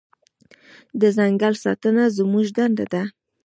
د ځنګل ساتنه زموږ دنده ده.